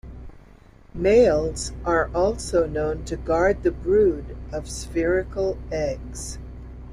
Males are also known to guard the brood of spherical eggs.